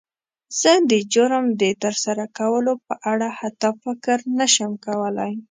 زه د جرم د تر سره کولو په اړه حتی فکر نه شم کولی.